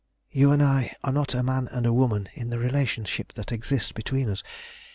You and I are not a man and a woman in the relationship that exists between us.